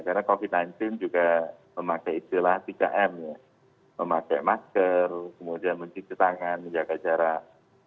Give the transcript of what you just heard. karena covid sembilan belas juga memakai istilah tiga m memakai masker kemudian menciptakan menjaga jarak